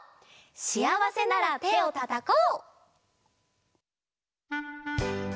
「しあわせならてをたたこう」！